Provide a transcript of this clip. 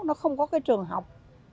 nó không có cái trường học